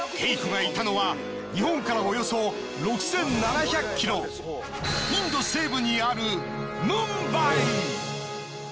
ＫＥＩＫＯがいたのは日本からおよそ６，７００ｋｍインド西部にあるムンバイ。